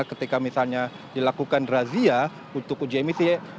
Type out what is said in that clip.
ketika misalnya dilakukan razia untuk uji emisi